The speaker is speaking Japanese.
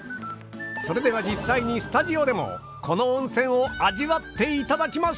それでは実際にスタジオでもこの温泉を味わっていただきましょう！